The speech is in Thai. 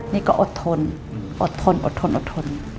นี่ก็อดทนอดทนอดทนอดทน